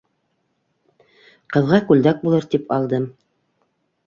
Ҡыҙға күлдәк булыр тип алдым.